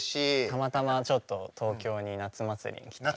たまたまちょっと東京に夏祭りに来たので。